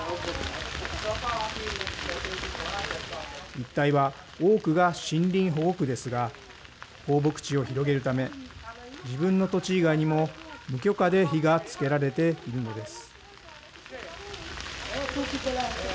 一帯は、多くが森林保護区ですが、放牧地を広げるため、自分の土地以外にも無許可で火がつけられているのです。